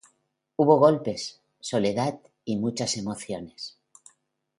Hubo golpes, soledad y muchas emociones.